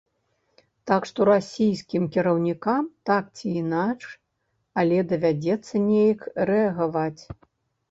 Так што расійскім кіраўнікам так ці інакш, але давядзецца неяк рэагаваць.